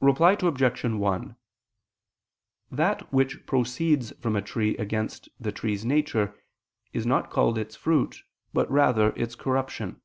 Reply Obj. 1: That which proceeds from a tree against the tree's nature, is not called its fruit, but rather its corruption.